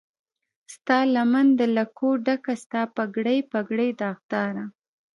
ستالمن د لکو ډکه، ستا پګړۍ، پګړۍ داغداره